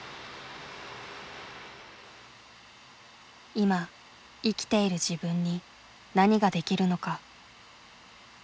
いま生きている自分に何ができるのか。